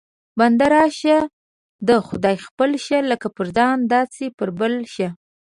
بنده راشه د خدای خپل شه، لکه په ځان یې داسې په بل شه